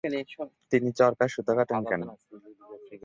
তিনি চরকায় সুতো কাটেন কেন?